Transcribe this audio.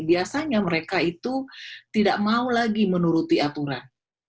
biasanya mereka itu tidak mau lagi menuruti aturan